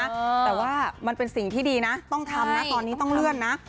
แต่ว่ามันเป็นสิ่งที่ดีนะต้องทำนะตอนนี้ต้องเลื่อนนะ